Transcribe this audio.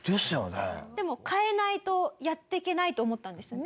でも変えないとやっていけないと思ったんですよね？